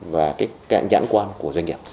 và cái cạn nhãn của